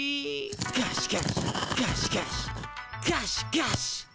ガシガシガシガシガシガシ。